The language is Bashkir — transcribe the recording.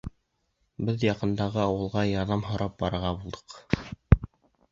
Беҙ яҡындағы ауылға ярҙам һорап барырға булдыҡ.